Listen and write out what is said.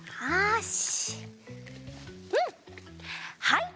はい！